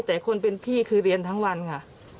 แต่คนเป็นพี่คือเรียนทั้งวันค่ะ